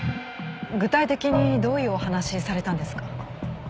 具体的にどういうお話されたんですか？